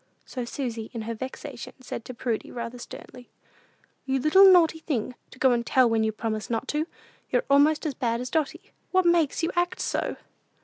So Susy, in her vexation, said to Prudy, rather sternly, "You little naughty thing, to go and tell when you promised not to! You're almost as bad as Dotty. What makes you act so?"